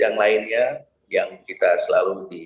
yang lainnya yang kita selalu